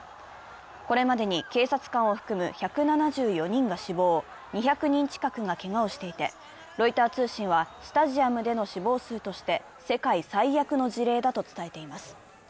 これまでに警察官を含む１７４人が死亡、２００人近くがけがをしていて、ロイター通信は、スタジアムでの死亡数として世界最悪の事例だと伝えています。